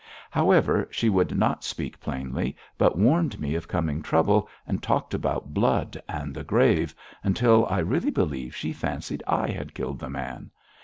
However, she would not speak plainly, but warned me of coming trouble, and talked about blood and the grave, until I really believe she fancied I had killed the man.